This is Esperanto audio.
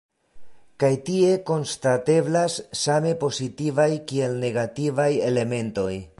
Kaj tie konstateblas same pozitivaj kiel negativaj elementoj.